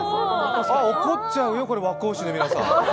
あ、怒っちゃうよ、和光市の皆さん。